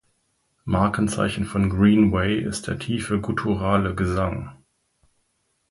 Markenzeichen von Greenway ist der tiefe gutturale Gesang.